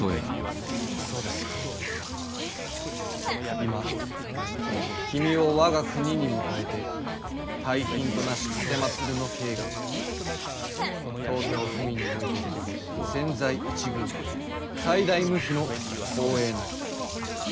「今君を我が国に迎えて大賓となし奉るの慶賀は東京府民において千載一遇最大無比の光栄なり。